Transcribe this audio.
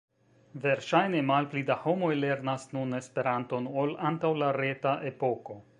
Verŝajne malpli da homoj lernas nun Esperanton ol antaŭ la reta epoko.